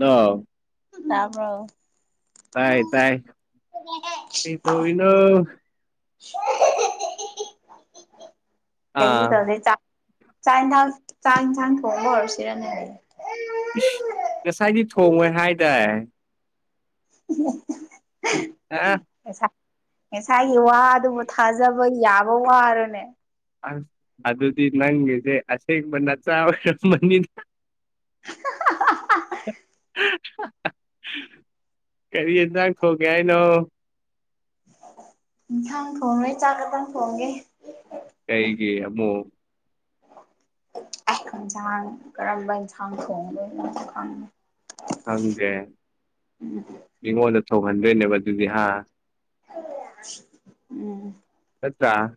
ꯑ ꯇꯕ꯭ꯔꯣ ꯇꯥꯏ ꯇꯥꯏ ꯀꯩꯏꯇꯥꯑꯣꯔꯤꯅꯣ ꯀꯩꯁꯨ ꯑꯥ ꯌꯥꯑꯣꯗꯦ ꯆꯥꯛ ꯌꯦꯟꯁꯥꯡ ꯆꯥꯛ ꯌꯦꯟꯁꯥꯡ ꯊꯣꯡꯕ ꯑꯣꯏꯔꯁꯤꯔꯅꯦꯅꯦ ꯏꯁ ꯉꯁꯥꯏꯗꯤ ꯊꯣꯡꯉꯣꯏ ꯍꯥꯏꯇꯥꯦ ꯎ ꯑ ꯉꯁꯥꯏꯒꯤ ꯋꯥ ꯑꯗꯨꯕꯨ ꯊꯥꯖꯕ ꯌꯥꯕ ꯋꯥꯔꯅꯦ ꯑꯁ ꯑꯗꯨ ꯑꯗꯨꯗꯤ ꯅꯪꯒꯦꯁꯦ ꯑꯁꯦ ꯃ ꯅ ꯆ ꯑ ꯃꯅꯤ [unintelligible] ꯀꯔꯤ ꯌꯦꯟꯖꯡ ꯊꯣꯪꯒꯒꯌꯥꯏ ꯅꯣ ꯏꯟꯁꯥꯡ ꯊꯣꯡꯡꯂꯣꯏ ꯆꯥꯛ ꯈꯛꯇꯪ ꯊꯣꯡꯒꯦ ꯑꯃꯃꯣ ꯏꯟꯁꯥꯡ ꯀꯔꯝꯕꯝꯕ ꯏꯟꯁꯥꯡ ꯊꯣꯡꯕ ꯈ ꯈꯪꯗꯦ ꯃꯤꯉꯣꯟꯗ ꯊꯧꯍꯟꯗꯣꯏꯅꯦꯕ ꯑꯗꯨꯗꯤ ꯍꯥ ꯎꯝ ꯑꯠꯇꯆꯥ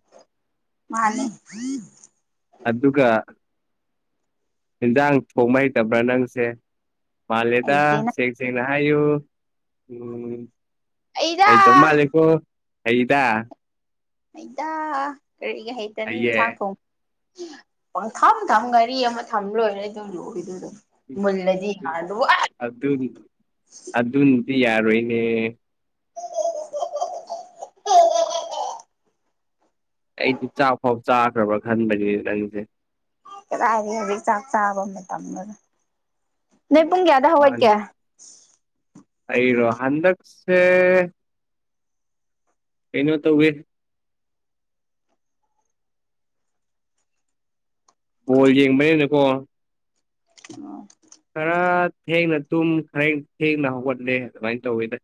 ꯃꯥ ꯑꯗꯨꯗꯨꯒ ꯌꯦꯟꯖꯥꯡ ꯊꯣꯡꯉ ꯍꯩꯇꯕ꯭ꯔꯥ ꯅꯪꯁꯦ ꯃꯥꯜꯂꯦꯗ ꯍꯩꯇꯦ ꯅꯪ ꯁꯦꯡ ꯁꯦꯡꯅ ꯍꯥꯏꯌꯣ ꯎꯝ ꯑꯩꯗꯥ ꯑꯩ ꯇꯣꯝ ꯃꯥꯜꯂ‌ꯦꯀꯣ ꯍꯩꯗ ꯍꯩꯗꯥ ꯀꯔꯤꯒ ꯍꯩꯇꯅꯤ ꯍꯩꯌꯦ ꯏꯟꯁꯥꯡ ꯊꯣꯡ ꯄꯪꯊꯝ ꯊꯝ ꯒꯥꯔꯤ ꯑꯃ ꯊꯝꯂꯣꯏꯔ‌ꯦ ꯗꯨꯝ ꯂꯣꯏꯗꯨꯗ [inaudible] ꯎꯝ ꯃꯨꯜꯂꯗꯤ ꯌꯥꯔꯦ ꯏꯁ ꯑꯗꯨꯕꯨ ꯑ ꯑꯗꯨꯅ ꯑꯗꯨ ꯗꯤ ꯌꯥꯔꯣꯏꯅꯦ ꯑꯩꯗꯤ ꯆꯥꯛꯐꯥꯎ ꯆꯥꯗꯔꯕ ꯈꯟꯕꯒꯤ ꯅꯪꯁ‌ꯦ ꯀꯗꯥꯏꯗꯒꯤ ꯍꯧꯖꯤꯛ ꯆꯥꯛ ꯆꯥꯕ ꯃꯇꯝꯂ ꯅ‌ꯣꯏ ꯄꯨꯡ ꯀꯌꯥꯗ ꯃꯥꯅꯦ ꯍꯥꯎꯒꯠꯀꯦ ꯑꯩꯔꯣ ꯍꯟꯗꯛꯁꯦ ꯀꯩꯅ‌ꯣ ꯇꯧꯋꯦ ꯕꯣꯜ ꯌꯦꯡꯕꯅꯦꯅꯀꯣ ꯑꯣ ꯈꯔ ꯊꯦꯡꯅ ꯇꯨꯝ ꯈꯔ ꯊꯦꯡꯅ ꯍꯧꯒꯠꯂꯦ ꯑꯗꯨꯃꯥꯏꯅ ꯇꯧꯋꯤꯗ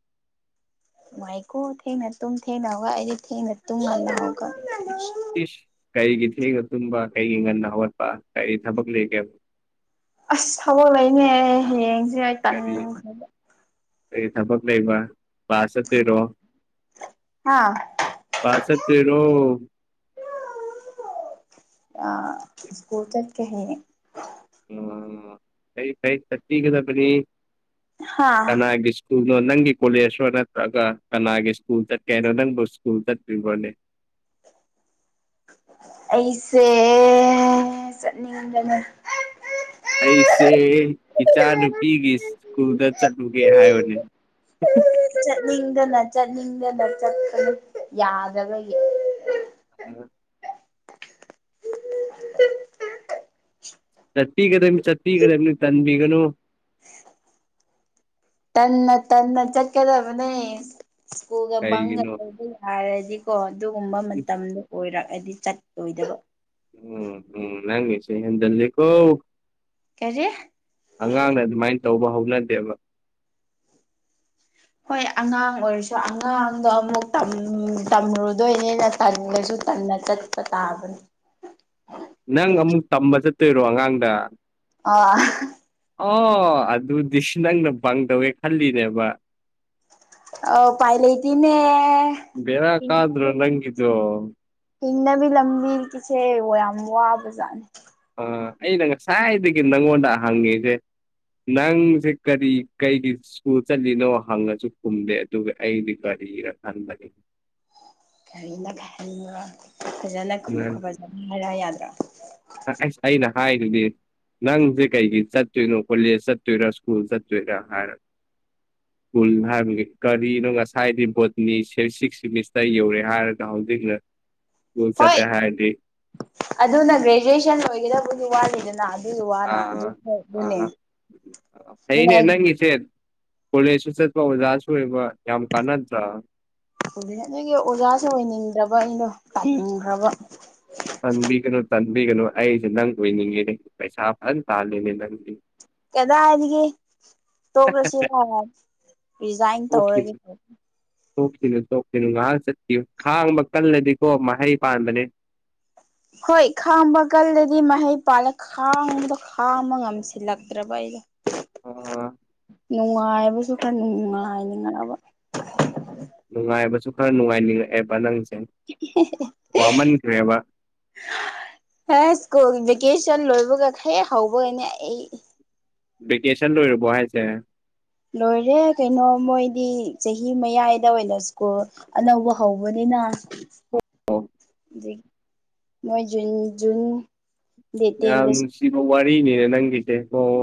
ꯅꯨꯡꯉꯥꯏꯀꯣ ꯊ‌ꯦꯡꯅ ꯇꯨꯝ ꯊ‌ꯦꯡꯅ ꯍꯧꯒꯠ ꯑꯩꯗꯤ ꯊ‌ꯦꯡꯅ ꯇꯨꯝ ꯉꯟꯅ ꯍꯧꯒꯠ ꯏꯁ ꯀꯔꯤꯒꯤ ꯊꯦꯡꯉ ꯇꯨꯝꯕ ꯀꯔꯤꯒꯤ ꯉꯟꯅ ꯍꯧꯒꯠꯄ ꯀꯔꯤ ꯊꯕꯛ ꯂꯩꯒꯦꯕ ꯑꯁ ꯊꯕꯛ ꯂꯩꯅꯦ ꯍꯌꯦꯡꯁꯦ ꯑꯩ ꯇꯟꯈ꯭ꯔꯕ ꯀꯩ ꯊꯕꯛ ꯂꯩꯕ ꯀꯂꯥꯁ ꯆꯠꯄꯩꯔꯣ ꯍꯥ ꯀꯂꯥꯁ ꯆꯠꯄꯤꯔ‌ꯣ ꯑꯥ ꯁꯀꯨꯜ ꯆꯠꯀꯅꯤ ꯑꯣ ꯐꯩ ꯐꯩ ꯆꯠꯄꯤꯒꯗꯅ‌ꯦ ꯍꯥ ꯀꯅꯥꯒꯤ ꯁ꯭ꯀꯨꯜꯅ‌ꯣ ꯅꯪꯒꯤ ꯀꯣꯂꯦꯖ ꯂ‌ꯣ ꯅꯠꯇ꯭ꯔꯒ ꯀꯅꯥꯒꯤ ꯁ꯭ꯀꯨꯜ ꯆꯠꯀꯦ ꯍꯥꯏꯅꯣ ꯅꯪꯕꯨ ꯁ꯭ꯀꯨꯜ ꯆꯠꯄꯔꯤꯕꯣꯅꯦ [inaudible] ꯑꯩꯁꯦ ꯆꯠꯅꯤꯡꯕꯅ ꯑꯩꯁꯦ ꯏꯁꯀꯨꯜꯗ ꯆꯠꯂꯨꯒꯦ ꯍꯥꯏꯔꯨꯅꯦ ꯆꯠꯅꯤꯡꯗꯅ ꯆꯠꯅꯤꯡꯗꯅ ꯆꯠꯄꯅꯤ ꯌꯥꯗꯕꯒꯤ ꯆꯠꯄꯤꯒꯗꯕꯅꯤ ꯆꯠꯄꯤꯒꯗꯕꯅꯤ ꯇꯟꯕꯤꯒꯅꯨ ꯇꯟꯅ ꯇꯟꯅ ꯆꯠꯀꯗꯕꯅꯦ ꯏꯁꯀꯨꯜꯒ ꯕꯪꯪꯒ ꯀꯩꯒꯤꯅꯣ ꯇꯧꯕ ꯌꯥꯔꯗꯤ ꯀꯣ ꯑꯗꯨꯒꯨꯝꯕ ꯏꯁ ꯃꯇꯝꯗ‌ꯣ ꯑꯣꯏꯔꯛꯑꯗꯤ ꯆꯠꯂꯣꯏꯗꯕ ꯎꯝ ꯎꯝ ꯅꯪꯒꯤꯁ‌ꯦ ꯍ‌ꯦꯟꯖꯜꯂꯤ ꯀꯣ ꯀꯔꯤ ꯑꯉꯥꯡꯅ ꯑꯗꯨꯃꯥꯏꯅ ꯇꯧꯕ ꯍꯧꯅꯗꯦꯕ ꯍꯣꯏ ꯑꯉꯥꯡ ꯑꯣꯏꯔꯁꯨ ꯑꯉꯥꯡꯗꯣ ꯑꯃꯨꯛ ꯇꯝ ꯇꯝꯔ‌ꯣꯏꯗꯣꯏꯅꯤꯅ ꯇꯝꯃꯁꯨ ꯉꯟꯅ ꯆꯠꯄ ꯇꯥꯥꯕꯅ‌ꯦ [unintelligible] [inaudible] ꯇꯔꯣ ꯑꯉꯥꯡꯗ ꯑꯥ ꯑ‌ꯣ ꯑꯗꯨꯗꯤ ꯑꯁ ꯅꯪꯅ ꯕꯪ ꯇꯧꯒ‌ꯦ ꯈꯜꯂꯤꯅꯦꯕ ꯑ ꯎꯄꯥꯏ ꯂꯩꯇ‌ꯦꯅꯦ ꯕꯦꯔꯥ ꯀꯥꯗ꯭ꯔꯣ [unintelligible] ꯅꯪꯒꯤꯗꯣ ꯍꯤꯡꯅꯕꯤ ꯂꯝꯕꯤꯒꯤꯁꯦ ꯌꯥꯝ ꯋꯥꯕꯖꯥꯠꯅꯦ ꯑꯥ ꯑꯩꯅ ꯉꯁꯥꯏꯗꯒꯤ ꯅꯪꯉꯣꯟꯗ ꯍꯪꯉꯤꯁꯦ ꯅꯪꯁꯦ ꯀꯔꯤ ꯀꯩꯒꯤ ꯁ꯭ꯀꯨꯜ ꯆꯠꯂꯤꯅꯣ ꯍꯪꯉꯁꯨ ꯈꯨꯝꯗꯦ ꯑꯗꯨꯒ ꯑꯩꯗꯤ ꯀ ꯀꯔꯤꯔꯥ ꯈꯪꯗꯥꯔ‌ꯦ ꯀꯔꯤꯅ‌ꯣꯒ ꯍꯪꯕꯔ‌ꯣ ꯐꯖꯅ ꯈꯨꯝ ꯈꯨꯝꯍꯟ [inaudible] ꯍꯥꯏꯔ ꯌꯥꯗ꯭ꯔ‌ꯣ ꯑꯥ ꯑꯁ ꯑꯩꯅ ꯍꯥꯏꯔꯤꯅ‌ꯦ ꯅꯪꯁꯦ ꯀꯩꯒꯤ ꯆꯠꯇꯨꯏꯅꯣ ꯀꯣꯂ‌ꯦꯖ ꯆꯠꯇꯨꯏꯔ ꯁꯀꯨꯜ ꯆꯠꯇꯨꯏꯔ ꯍꯥꯏꯔ ꯁ꯭ꯀꯨꯜ ꯍꯥꯏꯕꯒꯤ ꯀꯔꯤꯅꯣ ꯉꯁꯥꯏꯗꯤ ꯕꯣꯠꯇꯅꯤ ꯁꯤꯛꯁ ꯁꯤꯃꯤꯁꯇꯔ ꯌꯧꯔꯦ ꯍꯥꯏꯔꯒ ꯍꯧꯖꯤꯛꯅ ꯁ꯭ꯀꯨꯜ ꯍꯣꯏ ꯆꯠꯂꯦ ꯍꯥꯏꯔꯗꯤ ꯑꯗꯨꯅ ꯒ꯭ꯔꯦꯖꯨꯋꯦꯁꯟ ꯂ‌ꯣꯏꯒꯗꯧꯕꯗꯤ ꯋꯥꯠꯂꯤꯗꯅ ꯑꯗꯨ ꯋꯥꯅ ꯑꯗꯨ ꯑꯥ ꯍ‌ꯣꯏ ꯑꯗꯨꯅꯦ ꯑꯥ ꯅ‌ꯣꯏꯅꯩ [inaudible] ꯀ‌ꯣꯂ‌ꯦꯖꯁꯨ ꯆꯠꯄ ꯑꯣꯖꯥꯁꯨ ꯑꯣꯏꯕ ꯌꯥꯝ ꯀꯥꯟꯅꯗꯔꯥ ꯑꯗꯨ ꯅ‌ꯣꯏꯒꯤ ꯑꯣꯖꯥꯁꯨ ꯑꯣꯏꯅꯤꯡꯗ꯭ꯔꯕ ꯑꯩꯗ‌ꯣ ꯇꯟꯈ꯭ꯔꯕ ꯇꯟꯕꯤꯒꯅꯨ ꯇꯟꯕꯤꯒꯅꯨ ꯑꯩꯁꯦ ꯅꯪ ꯑꯣꯏꯅꯤꯡꯉꯦ ꯄꯩꯁꯥ ꯐꯖꯅ ꯇꯥꯜꯂꯤꯅꯦ ꯅꯪꯒꯤ ꯀꯗꯥ ꯍꯥꯏꯔꯤꯦ ꯇꯣꯛꯂꯁꯤꯔ ꯔꯤꯖꯥꯏꯟ ꯑꯣꯀꯦ ꯇꯧꯔꯒꯦ ꯇꯣꯛꯈꯤꯅꯨ ꯇꯣꯛꯁꯤꯅꯨ ꯉꯥꯏꯍꯥꯛ ꯆꯠꯄꯤꯌꯨ ꯈꯥꯡꯕ ꯀꯜꯂꯗꯤꯀꯣ ꯃꯍꯩ ꯄꯥꯟꯕꯅꯦ ꯍꯣꯏ ꯈꯥꯡꯕ ꯀꯜꯗꯗꯤ ꯃꯍꯩ ꯄꯥꯜꯂ ꯈꯥꯡꯕꯗꯣ ꯈꯥꯡꯕ ꯉꯝꯁꯤꯜꯂꯛꯇ꯭ꯔꯕ ꯑꯩ ꯍꯥꯏ ꯑꯣ ꯅꯨꯡꯉꯥꯏꯕꯁꯨ ꯈꯔ ꯅꯨꯡꯉꯥꯏꯅꯤꯡꯉꯕ ꯅꯨꯡꯉꯥꯏꯕꯁꯨ ꯈꯔ ꯅꯨꯡꯉꯥꯏꯅꯤꯡꯉꯛꯑꯦꯕ ꯅꯪ ꯍ ꯁꯀꯣꯜ ꯒꯦꯁ ꯆꯟ ꯂꯣꯏꯕꯒ ꯈꯔꯦꯛ ꯍꯧꯕꯒꯅꯦ ꯑꯩ ꯚꯦꯀꯦꯁꯟ ꯂꯣꯏꯔꯕꯣ ꯍꯥꯏꯁꯦ ꯂꯣꯏꯔꯦ ꯀꯩꯅꯣ ꯃꯣꯏꯗꯤ ꯆꯍꯤ ꯃꯌꯥꯏꯗ ꯑꯣꯏꯅ ꯁ꯭ꯀꯨꯜ ꯑꯅꯧꯕ ꯍꯧꯕꯅꯤ ꯅꯥ ꯑꯣ ꯑꯗꯒꯤ ꯃꯣꯏꯨꯟ ꯖꯨꯟ ꯗꯦꯠ ꯌꯥꯝ ꯇꯦꯟꯗ ꯅꯨꯡꯁꯤꯕ ꯋꯥꯔꯤꯅꯤꯅꯦ ꯅꯪꯒꯤꯁꯦ ꯑꯣ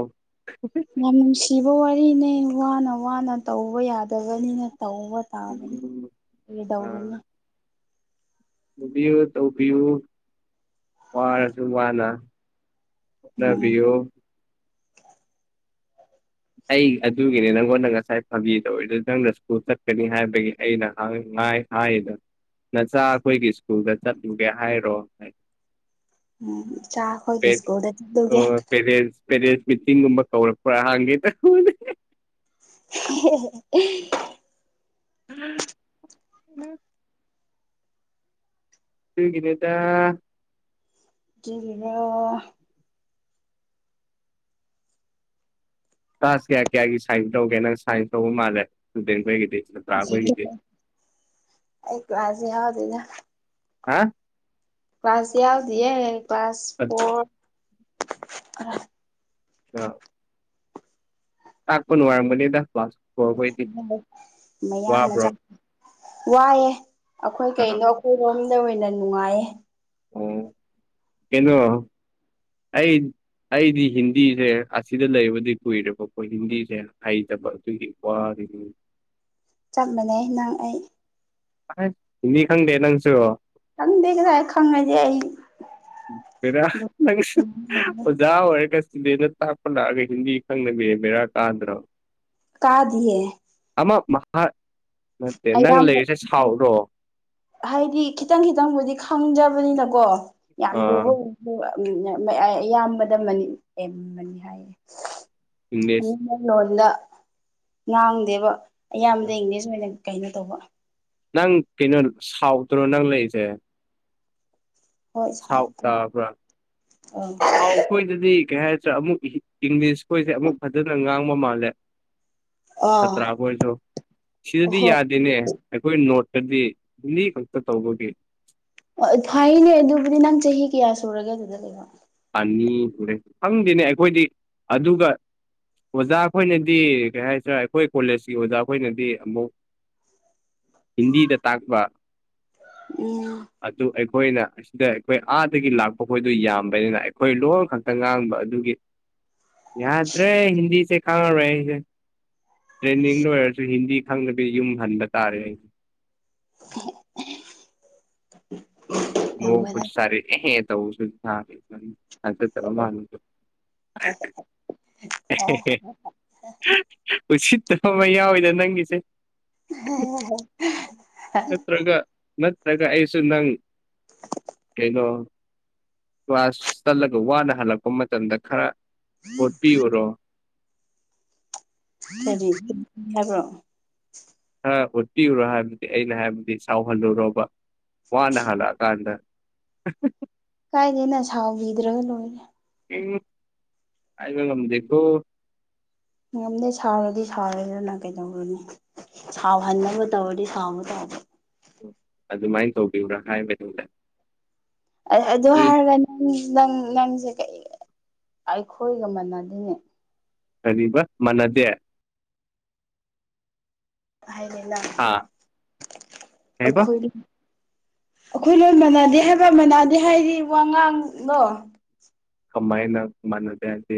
ꯌꯥꯝ ꯅꯨꯡꯁꯤꯕ ꯋꯥꯔꯤꯅꯦ ꯋꯥꯅ ꯋꯥꯅ ꯇꯧꯕ ꯌꯥꯗꯕꯅꯤꯅ ꯇꯧꯕ ꯇꯥꯕꯅꯤ ꯎꯝ ꯀꯩꯗꯧꯔꯨꯅꯤ ꯂꯨꯕꯤꯌꯨ ꯇꯧꯕꯤꯌꯨ ꯋꯥꯔꯁꯨ ꯋꯥꯅ ꯅ ꯎꯝ ꯄꯌꯣ ꯑꯩ ꯑꯗꯨꯒꯤꯅꯤ ꯅꯪꯉꯣꯟꯗ ꯉꯁꯥꯏ ꯐꯥꯕꯤꯗꯧꯔꯤꯗꯨ ꯅꯪꯅ ꯁ꯭ꯀꯨꯜ ꯆꯠꯀꯅꯤ ꯍꯥꯏꯕꯒꯤ ꯑꯩꯅ ꯍꯪꯉ ꯉꯥꯏ ꯍꯥꯏꯗ ꯅꯆꯥ ꯑꯩꯈꯣꯏꯒꯤ ꯁ꯭ꯀꯨꯜꯗ ꯆꯠꯂꯨꯒꯦ ꯍꯥꯏꯔꯣ ꯍꯥꯏ ꯎꯝ ꯏꯆꯥ ꯑꯩꯈꯣꯏꯒꯤ ꯁ꯭ꯀꯨꯜꯗ ꯆꯠꯂꯨꯒꯦ ꯑꯣ ꯄꯦꯔꯦꯟꯁ ꯄꯦꯔꯦꯟꯁ ꯃꯤꯇꯤꯡꯒꯨꯝꯕ ꯀꯧꯔꯛꯄ꯭ꯔꯥꯍꯥꯡꯒꯦ ꯇ [unintelligible] ꯎꯝ ꯎꯝ ꯁꯤꯒꯤꯅꯦꯇ ꯔꯣ ꯀ꯭ꯂꯥꯁ ꯀꯌꯥ ꯀꯌꯥꯒꯤ ꯁꯥꯏꯟꯁ ꯇꯧꯒꯦ ꯅꯪ ꯁꯥꯏꯟꯁ ꯇꯧꯕ ꯃꯥꯜꯂꯦ ꯏꯁꯇꯨꯗꯦꯟ ꯈꯣꯏꯒꯤꯗꯤ ꯁꯥꯇ꯭ꯔ ꯈꯣꯏꯒꯤꯗꯤ ꯑꯩ ꯀ꯭ꯂꯥꯁ ꯌꯥꯗꯗ ꯍꯥ ꯀ꯭ꯂꯥꯁꯁꯤ ꯀ ꯀ꯭ꯂꯥꯁ ꯐ ꯑ ꯇꯥꯥꯛꯄ ꯅꯨꯅꯨꯡ ꯋꯥꯔꯝꯝꯕꯅꯤ ꯗ ꯄꯥꯁ ꯃꯌꯥꯝ ꯑꯃ ꯋꯥꯕ꯭ꯔꯣ ꯆ ꯋꯥꯏꯑꯦ ꯑꯩꯈꯣꯏ ꯑꯥ ꯀꯩꯅꯣ ꯑꯩꯈꯣꯏꯔꯣꯝꯗ ꯑꯣꯏꯅ ꯅꯨꯡꯉꯥꯏꯌꯦ ꯑꯣ ꯀꯩꯅꯣ ꯑꯩ ꯑꯩꯗꯤ ꯍꯤꯟꯗꯤꯁꯦ ꯑꯁꯤꯗ ꯂꯩꯕꯗꯤ ꯀꯨꯏꯔꯦꯕꯀꯣꯏ ꯍꯤꯟꯗꯤꯁꯦ ꯍꯩꯇꯕ ꯑꯗꯨꯒꯤ ꯋꯥ ꯎꯝ ꯆꯞ ꯃꯥꯟꯅꯦꯩ ꯅꯪ ꯑꯩ ꯅꯤ ꯈꯪꯗꯦ ꯅꯪꯁꯨ ꯈꯪꯗꯦ ꯀꯗꯥꯥꯏ ꯈꯪꯉꯁꯦ ꯑꯩ ꯐꯔꯪ ꯌꯥꯔ ꯀꯩꯁ ꯁꯤꯗꯅ ꯇꯥꯛꯄ ꯂꯥꯛꯑꯒ ꯍꯤꯟꯗꯤ ꯈꯪꯅꯕꯤꯔ ꯕꯦꯔꯥ ꯀꯥꯗ꯭ꯔꯣ ꯀꯥꯗꯤꯌꯦ ꯑꯃ ꯅꯠꯇꯦ ꯅꯪ ꯑꯌꯥꯝꯕ ꯂꯩꯔꯤꯁꯦ ꯁꯥꯎꯔꯣ ꯍꯥꯏꯗꯤ ꯈꯤꯇꯪ ꯈꯤꯇꯪꯕꯨꯗꯤ ꯈꯪꯖꯕꯅꯤꯅꯀꯣ ꯌꯥꯝ ꯂꯨꯕ ꯑꯣꯏ ꯎꯝ ꯑꯌꯥꯝꯕꯗ ꯌꯥꯝꯕꯅꯤ ꯍꯥꯏꯌꯦ ꯏꯪꯂꯤꯁ ꯑ ꯂꯣꯟꯗ ꯉꯥꯡꯗꯦꯕ ꯑꯌꯥꯝꯕꯗ ꯏꯪꯂꯤꯁ ꯀꯩꯅꯣ ꯇꯧꯕ ꯅꯪ ꯀꯩꯅꯣ ꯁꯥꯎꯗ꯭ꯔꯣ ꯅꯪ ꯂꯩꯔꯤꯁꯦ ꯍꯣꯏ ꯁꯥꯎ ꯁꯥꯎꯇ꯭ꯔꯦ ꯇꯥꯕ꯭ꯔꯥ ꯑꯥ ꯁꯥꯎꯈꯣꯏꯗꯗꯤ ꯀꯩ ꯍꯥꯏꯦ ꯅ꯭ꯔ ꯑꯃꯨꯛ ꯏꯪꯂꯤꯁ ꯈꯣꯏꯁꯦ ꯑꯃꯨꯛ ꯐꯖꯅ ꯉꯥꯡꯕ ꯃꯥꯜꯂꯦ ꯑꯥ ꯈꯠꯇ꯭ꯔꯥꯈ ꯑꯣꯏꯔꯁꯨ ꯁꯤꯗꯗꯤ ꯍꯣꯏ ꯌꯥꯗꯦꯅꯦ ꯑꯩꯈꯣꯏ ꯅꯣꯠ ꯍꯥꯏꯗꯤ ꯂꯤ ꯈꯛꯇ ꯇꯧꯕꯒꯤꯦ ꯑꯣ ꯊꯅꯦ ꯑꯗꯨꯕꯨꯗꯤ ꯅꯪ ꯆꯍꯤ ꯀꯌꯥ ꯁꯨꯔꯒꯦ ꯑꯗꯨꯗ ꯂꯩꯕꯣ ꯑꯅꯤꯨꯔꯦ ꯈꯪꯗꯦꯅꯦ ꯑꯩꯈꯣꯏꯗꯤ ꯑꯗꯨꯒ ꯑꯣꯖꯥ ꯑꯩꯈꯣꯏꯅꯗꯤ ꯀꯩ ꯍꯥꯏꯁꯤꯔꯥ ꯑꯩꯈꯣꯏ ꯀꯣꯂꯦꯖꯀꯤ ꯑꯣꯖꯥ ꯑꯩꯈꯣꯏꯅꯗꯤ ꯑꯃꯨꯛ ꯍꯤꯟꯗꯤꯗ ꯇꯥꯛꯄ ꯎꯝ ꯑꯗꯨ ꯑꯩꯈꯣꯏꯅ ꯑꯁꯤꯗ ꯑꯩꯈꯣꯏ ꯑꯥꯗꯒꯤ ꯂꯥꯛꯄ ꯈꯣꯏꯗꯨ ꯌꯥꯝꯕꯅꯤꯅ ꯑꯩꯈꯣꯏ ꯂꯣꯟ ꯈꯛꯇ ꯉꯥꯡꯕ ꯑꯗꯨꯒꯤ ꯌꯥꯗ꯭ꯔꯦ ꯍꯤꯟꯗꯤꯁꯦ ꯈꯥꯡꯉꯔꯣꯏ ꯑꯩꯁꯦ ꯇ꯭ꯔꯦꯟꯅꯤꯡ ꯂꯣꯏꯔꯁꯨ ꯍꯤꯟꯗꯤ ꯈꯪꯅꯕꯤ ꯌꯨꯝ ꯍꯟꯕ ꯇꯥꯔꯦ ꯑꯩ [inaudible] ꯂ ꯇꯝꯕ ꯅꯠꯇꯦ ꯁꯔꯦ ꯑꯦꯍ ꯇ ꯊ ꯑꯇ ꯊꯔ ꯃꯥꯅꯗ ꯀꯔꯤ ꯎꯁꯤꯠꯇ ꯑꯃ ꯌꯥꯎꯋꯤꯗ ꯅꯪꯒꯤꯁꯦ ꯅꯠꯇ꯭ꯔꯒ [unintelligible] ꯅꯠꯇ꯭ꯔꯒ ꯑꯩꯁꯨ ꯅꯪ ꯀꯩꯅꯣ ꯀ꯭ꯂꯥꯁ ꯆꯠꯂꯒ ꯋꯥꯅ ꯍꯜꯂꯛꯄ ꯃꯇꯝꯗ ꯈꯔ ꯍꯣꯠꯄꯤꯌꯨꯔꯣ ꯍꯥꯏꯗꯤ ꯍꯥꯏꯕ꯭ꯔꯣ ꯈ ꯎꯠꯄꯤꯔꯨꯔꯣ ꯍꯥꯏꯕꯗꯤ ꯑꯩꯅ ꯍꯥꯏꯕꯗꯤ ꯁꯥꯎꯍꯜꯂꯨꯔꯣꯕ ꯋꯥꯅ ꯍꯜꯂꯛꯑꯀꯥꯟꯗ [unintelligible] ꯀꯥꯏꯗꯦꯅ ꯁꯥꯎꯕꯤꯗ꯭ꯔꯒ ꯂꯣꯏꯔꯦ ꯍꯥꯏꯕꯥ ꯉꯝꯗꯦ ꯀꯣ ꯉꯔꯝꯗꯦ ꯁꯥꯥꯎꯔꯗꯤ ꯁꯥꯥꯎꯔꯦꯗꯅ ꯀꯩꯗꯧꯔꯅꯤ ꯁꯥꯎꯍꯟꯅꯕ ꯇꯧꯕꯗꯤ ꯁꯥꯎꯅ ꯇꯧꯕꯕ ꯑꯗꯨꯃꯥꯏꯅ ꯇꯧꯕꯤꯕ꯭ꯔꯥ ꯍꯥꯏꯕꯗꯨꯗ ꯑꯗꯨ ꯏ ꯍꯥꯏꯒ ꯅꯪ ꯅꯪ ꯅꯪꯁꯦ ꯀꯩ ꯑꯩꯈꯣꯏꯒ ꯃꯅꯗꯅꯦ ꯀꯔꯤꯕ ꯃꯥꯟꯅꯗꯦ ꯍꯥꯏꯅ ꯅꯪ ꯍꯥ ꯀꯩꯕ ꯑꯩꯈꯣꯏꯗꯤ ꯑꯩꯈꯣꯏ ꯂꯣꯏ ꯃꯥꯟꯅꯗꯦ ꯍꯥꯏꯕ ꯃꯥꯟꯅꯗꯦ ꯍꯥꯏꯗꯤ ꯋꯥꯉꯥꯡꯅꯣ ꯀꯃꯥꯏ ꯅ ꯀ ꯃꯥꯅ ꯇꯗꯤ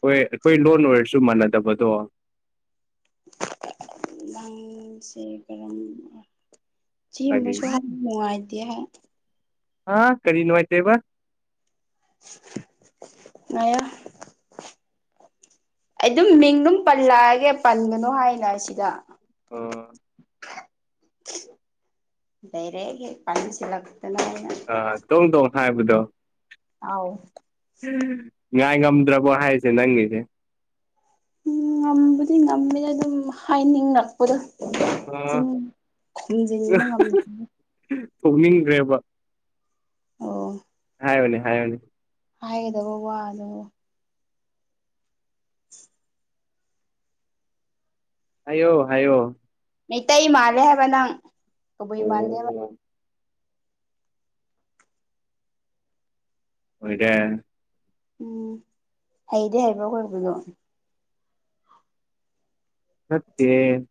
ꯍꯣꯏ ꯑꯩꯈꯣꯏ ꯂꯣꯟ ꯑꯣꯏꯔꯁꯨ ꯃꯥꯟꯅꯗꯕꯗꯣ ꯥꯡꯁꯦ ꯀꯔꯝ ꯀꯔꯤ ꯁꯦꯝꯕꯁꯨ ꯌꯥꯝ ꯅꯨꯡꯉꯥꯏ ꯗ ꯍꯥꯥ ꯀꯔꯤ ꯅꯨꯅꯨꯡꯉꯥꯏꯇꯦꯕ ꯃ ꯑꯩ ꯑꯗꯨꯝ ꯃꯤꯡ ꯑꯗꯨꯝ ꯄꯜꯂꯛꯑꯒꯦ ꯄꯟꯒꯅꯨ ꯍꯥꯏꯅ ꯁꯤꯗ ꯑꯣ ꯗꯤꯔꯦꯛ ꯍꯦꯛ ꯄꯁꯤꯂꯒ ꯑ ꯇꯣꯡ ꯇꯣꯡ ꯊꯥꯏꯕꯗꯣ ꯑꯥꯎ ꯉꯥꯏ ꯉꯝꯗ꯭ꯔꯕꯣ ꯍꯥꯏꯁꯦ ꯅꯪꯉꯁꯦ ꯎꯝ ꯉꯝꯕꯗꯤ ꯉꯝꯃꯦꯗ ꯑꯗꯨꯝ ꯍꯥꯏꯅꯤꯡꯉꯛꯄꯗꯣ ꯆꯤꯟ ꯑ ꯈꯣꯨꯝꯖꯤꯟꯕ ꯉꯝꯗ ꯊꯣꯛꯅꯤꯡꯈ꯭ꯔꯦꯕ ꯑꯣ ꯍꯥꯏꯣꯅꯦ ꯍꯥꯏꯌꯅꯦ ꯍꯥꯏꯒꯗꯧꯕꯣ ꯋꯥꯗ ꯍꯥꯏꯌꯣ ꯍꯥꯏꯌꯣ ꯃꯩꯇꯩ ꯃꯥꯜꯂꯦ ꯍꯥꯏꯕ ꯅꯪ ꯍ ꯀꯕꯨꯏ ꯃꯥꯜꯂꯦꯕ [unintelligible] ꯑꯣꯏꯔꯦ ꯎꯝ ꯍꯩꯗꯤ ꯍꯥꯏꯕ꯭ꯔꯣ ꯀꯕꯗꯣ ꯐꯠꯇꯦ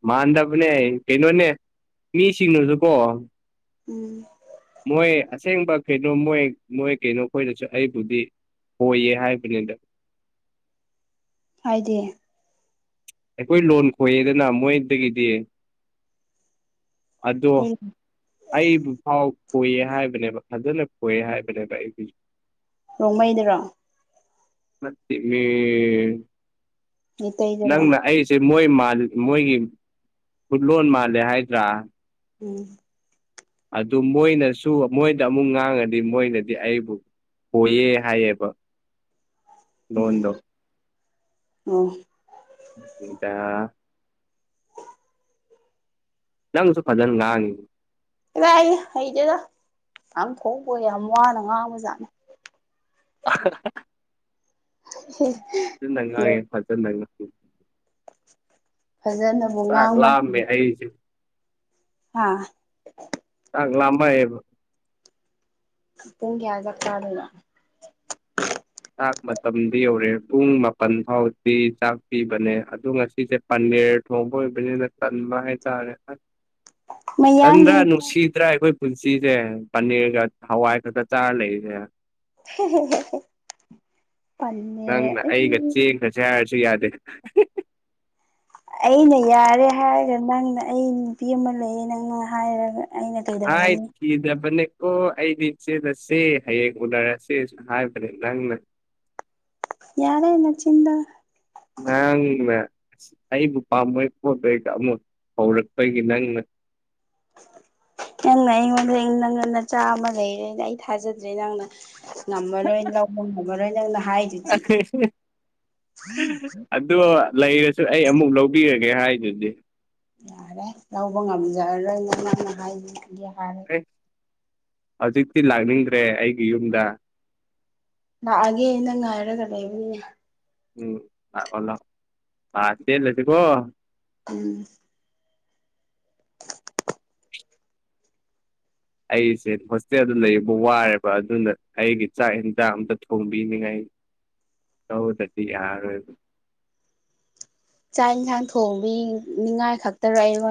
ꯃꯥꯟꯗꯕꯅꯦ ꯀꯩꯅꯣꯅꯦ ꯃꯤꯁꯤꯡꯅꯁꯨꯀꯣ ꯎꯝ ꯃꯣꯏ ꯑꯁꯦꯡꯕ ꯀꯩꯅꯣ ꯃꯣꯏ ꯃꯣꯏ ꯀꯩꯅꯣ ꯑꯩꯈꯣꯏꯗꯁꯨ ꯑꯩꯕꯨꯗꯤ ꯍꯣꯏꯌꯦ ꯍꯥꯏꯕꯅꯤꯗ ꯍꯥꯏꯗꯤ ꯑꯩꯈꯣꯏ ꯂꯣꯟ ꯈꯣꯏꯌꯦꯗꯅ ꯃꯣꯏꯗꯒꯤꯗꯤ ꯑꯗꯣ ꯑꯩꯈꯣꯏ ꯑꯩꯕꯨ ꯐꯥꯎ ꯀꯣꯏꯌꯦ ꯍꯥꯏꯕꯅꯦꯕ ꯑꯗꯨꯂ ꯈꯣꯏ ꯍꯥꯏꯕꯅꯦꯕꯥ ꯅꯣꯡꯃꯩꯗꯔꯣ [unintelligible] ꯃꯤ [unintelligible] ꯇꯩꯗꯔꯣ ꯅꯪꯅ ꯑꯩꯁꯦ ꯃꯣꯏ ꯃꯣꯏꯒꯤ ꯐꯨꯠꯂꯣꯟ ꯃꯥꯜꯂꯦ ꯍꯥꯏꯗ꯭ꯔꯥ ꯎꯝ ꯑꯗꯨ ꯃꯣꯏꯅꯁꯨ ꯃꯣꯏꯗ ꯑꯃꯨꯛ ꯉꯥꯡꯉꯗꯤ ꯃꯣꯏꯅꯗꯤ ꯑꯩꯕꯨ ꯍꯣꯏꯌꯦ ꯍꯥꯏꯌꯦꯕ ꯂꯣꯟꯗꯣ ꯎꯝ ꯑꯣ ꯅꯪꯁꯨ ꯐꯖꯅ ꯂꯅꯤ ꯏꯔꯥꯛꯌꯦ ꯍꯩꯗꯦꯗ ꯌꯥꯝ ꯊꯣꯛꯄ ꯌꯥꯝ ꯋꯥꯅ ꯉꯥꯡꯕꯖꯥꯠꯅꯤ [unintelligible] [inaudible] ꯐꯖꯅꯕꯨ ꯆꯥꯛ ꯉꯥꯡꯕ ꯂꯥꯝꯃꯦ ꯑꯩꯁꯦ ꯍꯥꯥ [unintelligible] ꯂꯝꯕ [unintelligible] ꯊꯨꯡ ꯀ ꯆꯥꯛ ꯆꯥꯗꯣꯏꯕ ꯆꯥꯛ ꯃꯇꯝꯗꯤ ꯌꯧꯔꯦ ꯄꯨꯡ ꯃꯥꯄꯜ ꯐꯥꯎꯗꯤ ꯆꯥꯛ ꯄꯤꯕꯅꯦ ꯑꯗꯣ ꯉꯁꯤꯁꯦ ꯄꯅꯤꯔ ꯊꯣꯡꯕ ꯑꯣꯏꯕꯅꯤꯅ ꯇꯟꯕ ꯍꯥꯏꯇꯥꯔꯦꯟꯗ꯭ꯔꯥ ꯃꯌꯥꯡꯒꯤ ꯅꯨꯡꯁꯤꯗ꯭ꯔꯥ ꯑꯩꯈꯣꯏ ꯄꯨꯟꯁꯤꯁꯦ ꯄꯅꯤꯔꯒ ꯍꯋꯥꯏ ꯈꯛꯇ ꯆꯥꯔ ꯂꯩꯏꯁꯦ [unintelligible] ꯅꯪꯅ ꯑꯩ ꯑꯩꯒ ꯆꯦꯡꯒꯁꯦ ꯍꯥꯏꯔꯁꯨ ꯌꯥꯗꯦ ꯑꯩꯅ ꯌꯥꯔꯦ ꯍꯥꯏꯔꯒ ꯅꯪꯅ ꯑꯩ ꯅꯨꯄꯤ ꯑꯃ ꯂꯩꯑꯦ ꯅꯪꯅ ꯍꯥꯏꯔꯒ ꯑꯩꯅ ꯀꯩꯗꯧꯔꯅꯤ [unintelligible] ꯏꯗꯄꯅꯤꯛ ꯑꯣ ꯑꯩꯗꯤ ꯆꯦꯜꯂꯁꯦ ꯍꯌꯦꯡ ꯎꯅꯔꯁꯦꯁꯨ ꯍꯥꯏꯕꯅꯦ ꯅꯪꯅ ꯌꯥꯔꯦ ꯅꯆꯗ ꯉ ꯑꯩꯕꯨ ꯄꯥꯝꯕꯩ ꯄꯣꯠꯂꯣꯌꯒ ꯑꯃꯨꯛ ꯍꯧꯔꯛꯄꯒꯤ ꯅꯪꯅ ꯅꯪꯅ ꯑꯩꯉꯣꯟꯗ ꯅꯪ ꯉꯟꯅꯆꯥ ꯑꯃ ꯂꯩꯔꯦꯅ ꯑꯩ ꯊꯥꯖꯗ꯭ꯔꯦ ꯅꯪꯅ ꯉꯃꯂꯣꯏ ꯂꯧꯕ [unintelligible] ꯕꯔꯣ [inaudible] [unintelligible] ꯑꯗꯣ ꯂꯩꯔꯁꯨ ꯑꯩ ꯑꯃꯨꯛ ꯂꯧꯕꯤꯔꯒꯦ [inaudible] ꯍꯥꯏꯗꯨꯗꯤ ꯌꯥꯔꯦ ꯂꯧꯕ ꯉꯝꯖꯔꯔꯣꯏ ꯅ ꯅꯅ ꯍꯥꯏꯕꯗꯤ ꯌꯥꯔꯦ ꯑꯦ ꯍꯧꯖꯤꯛꯇꯤ ꯂꯥꯛꯅꯤꯡꯗ꯭ꯔꯦ ꯑꯩꯒꯤ ꯌꯨꯝꯗ ꯂꯥꯛꯑꯒꯦ ꯅꯪ ꯉꯥꯏꯔꯒ ꯂꯩꯕꯅꯤ ꯎꯝꯂꯣꯗꯤꯦ ꯂꯩꯁꯤ ꯀꯣ [unintelligible] ꯎꯝ ꯑꯩꯁꯦ ꯍꯣꯁꯇꯦꯜꯗ ꯂꯩꯕ ꯋꯥꯔꯦꯕ ꯑꯗꯨꯅ ꯑꯩꯒꯤ ꯆꯥꯛ ꯌꯦꯟꯖꯥꯡ ꯑꯝꯇ ꯊꯣꯡꯕꯤꯅꯤꯉꯥꯏ ꯀ ꯊꯖꯤ ꯌꯥꯣꯏ ꯍꯥꯛ ꯌꯦꯟꯁꯥꯡ ꯊꯣꯡꯕꯤ ꯅꯤꯡꯉꯥꯏ ꯈꯛꯇꯔ ꯑꯩꯉ